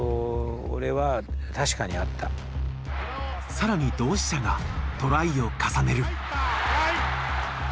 更に同志社がトライを重ねる。